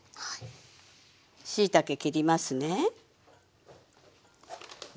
しいたけ切りますね。